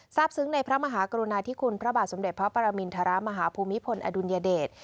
ซึ้งในพระมหากรุณาธิคุณพระบาทสมเด็จพระปรมินทรมาฮภูมิพลอดุลยเดช